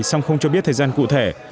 song không cho biết thời gian cụ thể